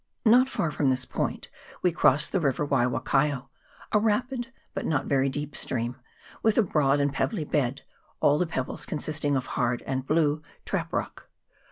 Not far from this point we crossed the river Waiwakaio, a rapid but not very deep stream, with a broad and pebbly bed, all the pebbles consisting of hard and blue trap rock.